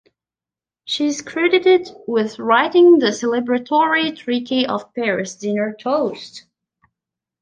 She is credited with writing the celebratory Treaty of Paris dinner toast.